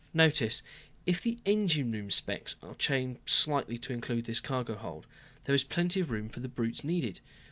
"Notice if the engine room specs are changed slightly to include this cargo hold, there is plenty of room for the brutes needed.